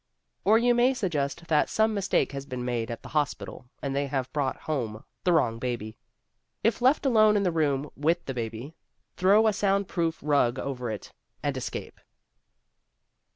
Or you may suggest that some mistake has been made at the hospital and they have brought home the wrong baby. If left alone in the room with the baby, throw a sound proof rug over it and escape.